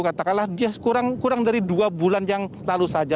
katakanlah dia kurang dari dua bulan yang lalu saja